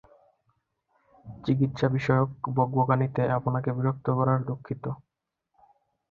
চিকিৎসা বিষয়ক বকবকানিতে আপনাকে বিরক্ত করার দুঃখিত।